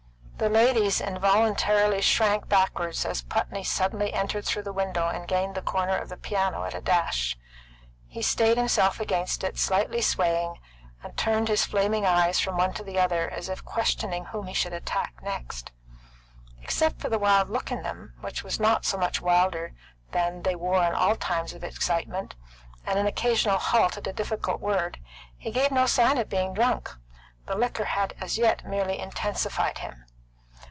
The ladies involuntarily shrank backward as Putney suddenly entered through the window and gained the corner of the piano at a dash. He stayed himself against it, slightly swaying, and turned his flaming eyes from one to another, as if questioning whom he should attack next. Except for the wild look in them, which was not so much wilder than they wore in all times of excitement, and an occasional halt at a difficult word, he gave no sign of being drunk. The liquor had as yet merely intensified him.